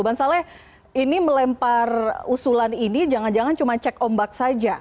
bang saleh ini melempar usulan ini jangan jangan cuma cek ombak saja